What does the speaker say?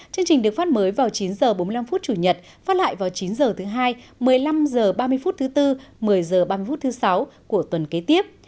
chương trình được phát mới vào chín h bốn mươi năm chủ nhật phát lại vào chín h thứ hai một mươi năm h ba mươi phút thứ bốn một mươi h ba mươi phút thứ sáu của tuần kế tiếp